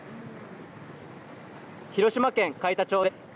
広島県海田町です。